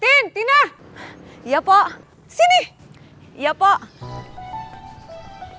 tunggu seperti apa makanya nyetanya